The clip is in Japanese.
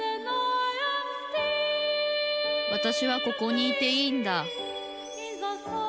わたしはここにいていいんだ